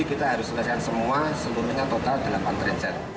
kita harus selesaikan semua seluruhnya total delapan train set